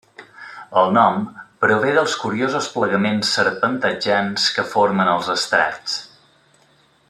El nom prové dels curiosos plegaments serpentejants que formen els estrats.